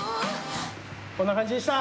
こんな感じでした。